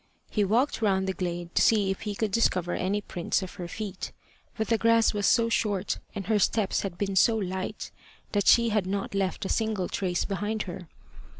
He walked round the glade to see if he could discover any prints of her feet. But the grass was so short, and her steps had been so light, that she had not left a single trace behind her.